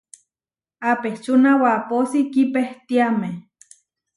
Apečúna wapósi kipehtiáme.